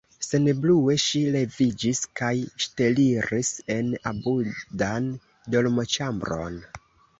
Senbrue ŝi leviĝis kaj ŝteliris en apudan dormoĉambron.